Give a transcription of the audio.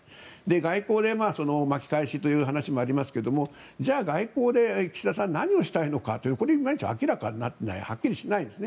外交で巻き返しという話もありますがじゃあ、外交で岸田さんは何をしたいのかこれ、いまいち明らかになっていないはっきりしていないんです。